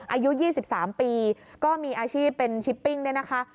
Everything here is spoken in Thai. อายุยี่สิบสามปีก็มีอาชีพเป็นชิปปิ้งด้วยนะคะ